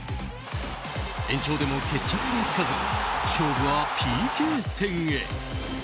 延長でも決着がつかず勝負はＰＫ戦へ。